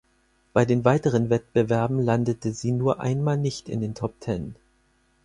Bei den weiteren Wettbewerben landete sie nur einmal nicht in den Top Ten.